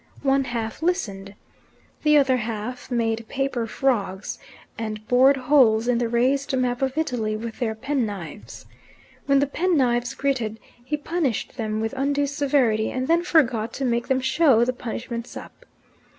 One half listened. The other half made paper frogs, and bored holes in the raised map of Italy with their penknives. When the penknives gritted he punished them with undue severity, and then forgot to make them show the punishments up.